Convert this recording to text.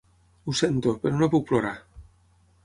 Ho sento, però no puc plorar.